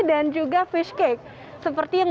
dan juga fish cake seperti yang